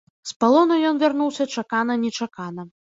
З палону ён вярнуўся чакана-нечакана.